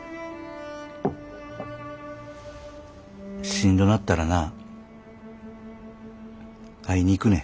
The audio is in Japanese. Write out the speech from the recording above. しんどなったらな会いに行くねん。